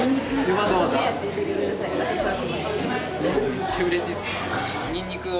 めっちゃうれしいです。